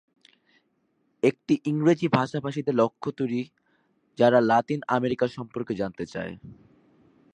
এটি ইংরেজি ভাষাভাষীদের লক্ষ্যে তৈরি, যারা লাতিন আমেরিকা সম্পর্কে জানতে চায়।